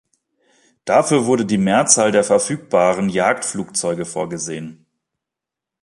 Dafür wurde die Mehrzahl der verfügbaren Jagdflugzeuge vorgesehen.